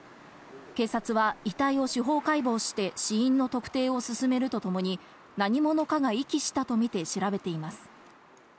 警察は遺体を司法解剖して、死因の特定を進めるとともに何者かが遺棄したとみて調べています。